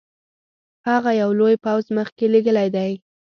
هغه یو لوی پوځ مخکي لېږلی دی.